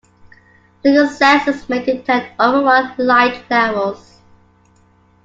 Single sensors may detect overall light levels.